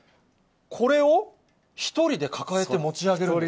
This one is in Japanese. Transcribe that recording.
これを１人で抱えて持ち上げるんですか。